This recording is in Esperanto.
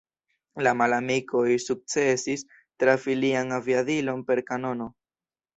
La malamikoj sukcesis trafi lian aviadilon per kanono.